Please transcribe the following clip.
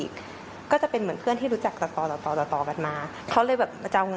ครับ